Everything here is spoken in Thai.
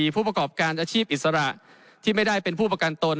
ผู้ประกอบการอาชีพอิสระที่ไม่ได้เป็นผู้ประกันตน